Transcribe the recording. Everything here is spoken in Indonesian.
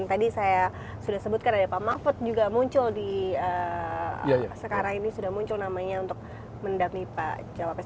tadi saya sudah sebutkan ada pak mahfud juga muncul di sekarang ini sudah muncul namanya untuk mendampingi pak cawapres